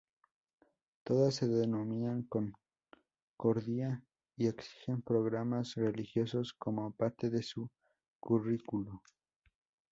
Todas se denominan Concordia y exigen programas religiosos como parte de su currículo.